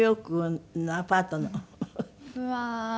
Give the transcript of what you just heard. うわー。